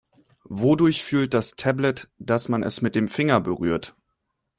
Wodurch fühlt das Tablet, dass man es mit dem Finger berührt?